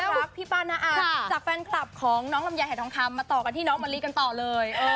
ด้วยความรักพี่ปานาอาจจากแฟนคลับของน้องลำยายแห่งทองคำมาต่อกันที่น้องเมอรี่กันต่อเลย